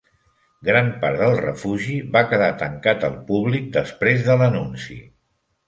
Gran part del refugi va quedar tancat al públic després de l'anunci.